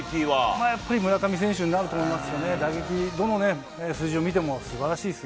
やっぱり村上選手になると思います。